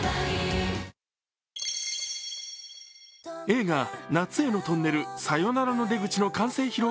映画「夏へのトンネル、さよならの出口」の完成披露